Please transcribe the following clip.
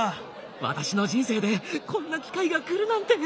私の人生でこんな機会が来るなんて。